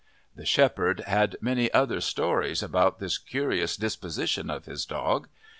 The shepherd had many other stories about this curious disposition of his dog.